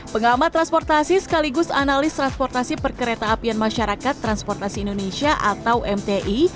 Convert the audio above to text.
pengamat transportasi sekaligus analis transportasi perkereta apian masyarakat transportasi indonesia atau mti